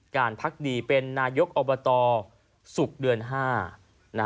การพักดีเป็นนายกอบตศุกร์เดือน๕